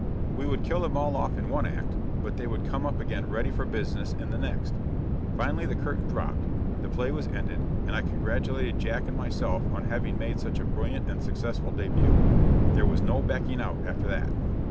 We would kill them all off in one act, but they would come up again ready for business in the next. Finally the curtain dropped; the play was ended; and I congratulated Jack and myself on having made such a brilliant and successful début. There was no backing out after that.